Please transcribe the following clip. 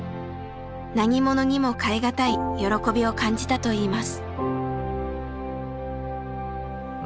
何ものにも代え難い喜びを感じたといいます。